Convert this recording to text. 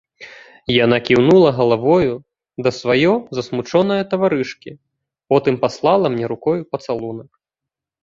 Яна кіўнула галавою да свае засмучонае таварышкі, потым паслала мне рукою пацалунак.